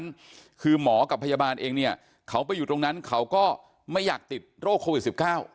นี่นี่นี่นี่นี่นี่นี่